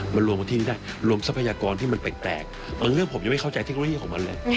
มันรวมกันที่นี่ได้รวมทรัพยากรที่มันแปลกบางเรื่องผมยังไม่เข้าใจเทคโนโลยีของมันเลย